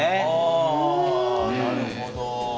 あなるほど。